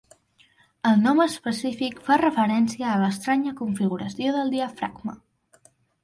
El nom específic fa referència a l'estranya configuració del diafragma.